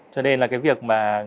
cho nên là cái việc mà